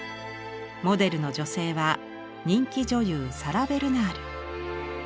モデルの女性は人気女優サラ・ベルナール。